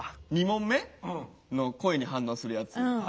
２問目の声に反応するやつ。